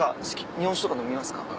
日本酒とか飲みますか？